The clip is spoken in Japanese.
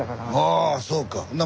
ああそうか。